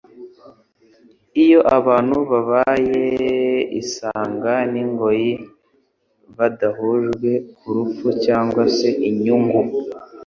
Iyo abantu babaye isanga n'ingoyi, badahujwe ku rupfu cyangwa se inyungu,